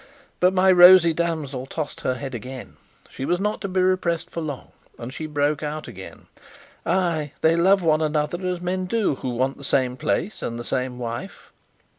But my rosy damsel tossed her head again; she was not to be repressed for long, and she broke out again: "Ay, they love one another as men do who want the same place and the same wife!"